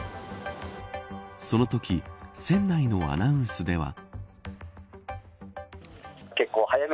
そのとき船内のアナウンスでは。